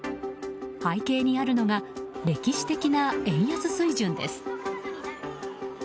背景にあるのが歴史的な円安水準です。